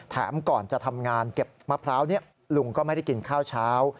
แถมก่อนจะทำงานเก็บมะพร้าวลุงก็ไม่ได้กินข้าวเช้า